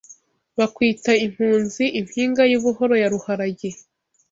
Bakwita impunzi Impinga y'ubuhoro ya Ruharage